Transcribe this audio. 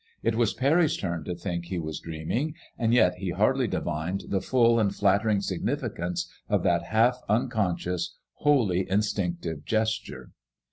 It was Parry's turn to think he was dreaming, and yet he hardly divined the full and flattering significance of that half uncon scious, wholly instinctive gesture.